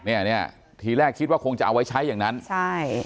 เนี่ยเนี้ยทีแรกคิดว่าคงจะเอาไว้ใช้อย่างนั้นใช่